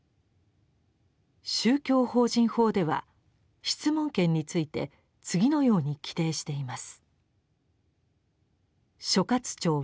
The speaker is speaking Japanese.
「宗教法人法」では質問権について次のように規定しています。